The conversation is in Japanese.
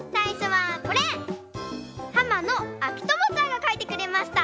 はまのあきともちゃんがかいてくれました。